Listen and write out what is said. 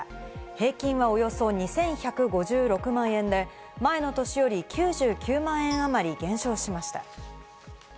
平均はおよそ２１５６万円で、前の年より９９万円あまり減少しました。